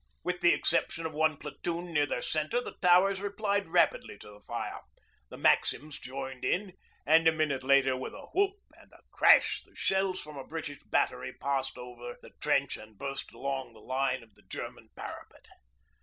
With the exception of one platoon near their centre the Towers replied rapidly to the fire, the maxims joined in, and a minute later, with a whoop and a crash the shells from a British battery passed over the trench and burst along the line of the German parapet.